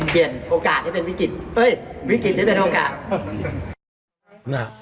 เปลี่ยนโอกาสให้เป็นวิกฤตวิกฤตนี้เป็นโอกาส